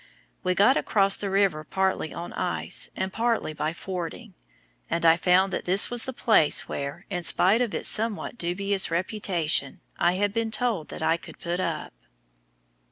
We got across the river partly on ice and partly by fording, and I found that this was the place where, in spite of its somewhat dubious reputation, I had been told that I could put up.